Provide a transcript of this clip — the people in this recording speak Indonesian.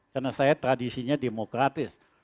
karena saya tradisinya demokratis